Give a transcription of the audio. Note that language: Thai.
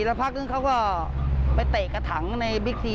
สักพักนึงเขาก็ไปเตะกระถังในบิ๊กซี